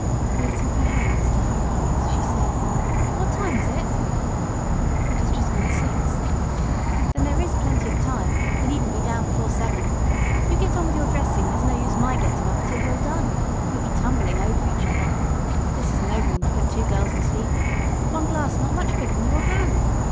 Raising her hands to her eyes she said "What time is it?" "It has just gone six." "Then there's plenty of time; we needn't be down before seven. You get on with your dressing; there's no use in my getting up till you are done we'd be tumbling over each other. This is no room to put two girls to sleep in one glass not much bigger than your hand.